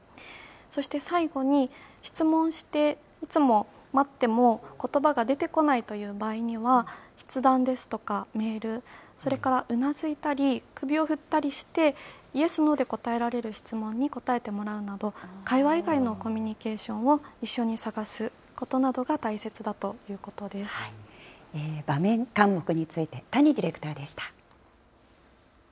そして最後に、質問していつも待ってもことばが出てこないという場合には、筆談ですとかメール、それからうなずいたり、首を振ったりして、イエス、ノーで答えられる質問に答えてもらうなど、会話以外のコミュニケーションを一緒に探すことなどが大切だとい場面かん黙について、溪ディレクターでした。